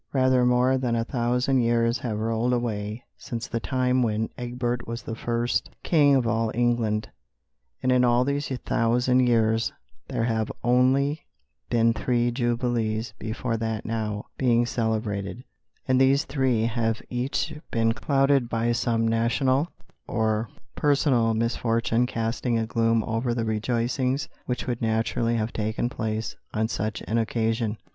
Rather more than a thousand years have rolled away since the time when Egbert was the first king of all England. And in all these thousand years there have only been three jubilees before that now being celebrated, and these three have each been clouded by some national or personal misfortune casting a gloom over the rejoicings which would naturally have taken place on such an occasion.